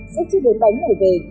sẽ chứa đốn bánh ở về